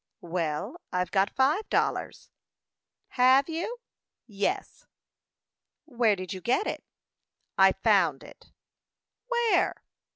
"Well, I've got five dollars." "Have you?" "Yes." "Where did you get it?" "I found it." "Where?"